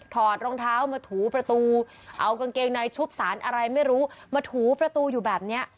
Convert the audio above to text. ถอดรองเท้ามาถูประตูเอากางเกงในชุบสารอะไรไม่รู้มาถูประตูอยู่แบบเนี้ย